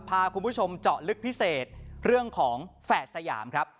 พาคุณผู้ชมเจาะลึกพิเศษเรื่องของแฝดสยามครับ